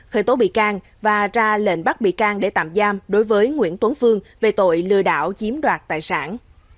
khởi tố bị can và ra lệnh bắt bị can để tạm giam đối với nguyễn tuấn phương về tội lừa đảo chiếm đoạt tài sản